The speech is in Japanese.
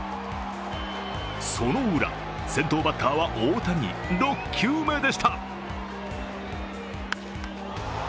そのウラ、先頭バッターは大谷、６球目でした。